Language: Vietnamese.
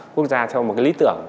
quốc gia theo một cái lý tưởng